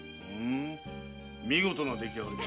見事な出来上がりだ。